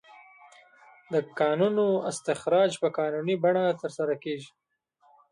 د کانونو استخراج په قانوني بڼه ترسره کیږي.